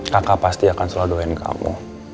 kakak pasti akan selalu doain kamu